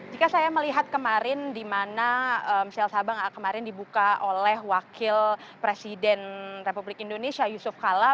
jika saya melihat kemarin di mana sel sabang kemarin dibuka oleh wakil presiden republik indonesia yusuf kala